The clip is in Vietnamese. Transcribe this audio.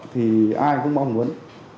thì ai cũng mong muốn